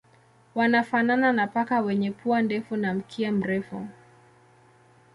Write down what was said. Wanafanana na paka wenye pua ndefu na mkia mrefu.